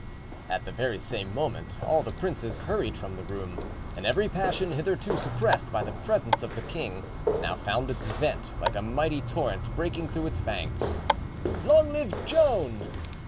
At the very same moment all the princes hurried from the room, and every passion hitherto suppressed in the presence of the king now found its vent like a mighty torrent breaking through its banks. "Long live Joan!"